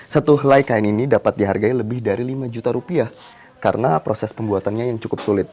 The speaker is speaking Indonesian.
satu helai kain ini dapat dihargai lebih dari lima juta rupiah karena proses pembuatannya yang cukup sulit